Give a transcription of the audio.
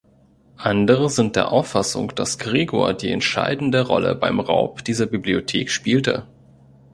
Andere sind der Auffassung, das Gregor die entscheidende Rolle beim Raub dieser Bibliothek spielte.